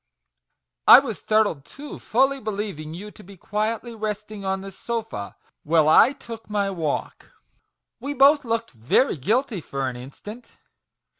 I was startled too, fully be lieving you to be quietly resting on the sofa, while I took my walk !"" We both looked very guilty for an instant."